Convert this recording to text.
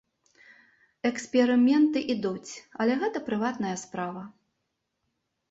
Эксперыменты ідуць, але гэта прыватная справа.